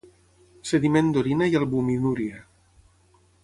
Sediment d'orina i albuminúria.